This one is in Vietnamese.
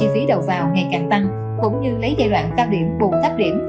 cũng như lấy giai đoạn cao điểm bùn thấp điểm